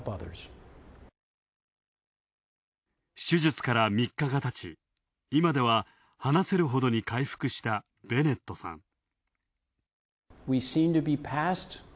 手術から３日がたち、今では話せるほどに回復したベネットさん。